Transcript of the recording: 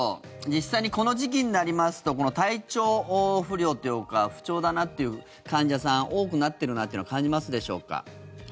実際にこの時期になりますと体調不良というか不調だなという患者さん多くなってるなというのは感じますでしょうか。